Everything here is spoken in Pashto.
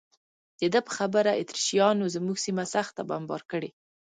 د ده په خبره اتریشیانو زموږ سیمه سخته بمباري کړې.